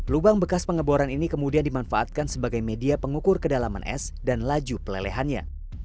lubang bekas pengeboran ini kemudian dimanfaatkan sebagai media pengukur kedalaman es dan laju pelelehannya